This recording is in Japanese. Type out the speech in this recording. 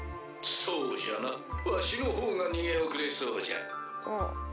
そうじゃなわしの方が逃げ遅れそうじゃ。